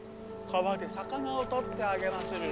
川で魚を捕ってあげまする。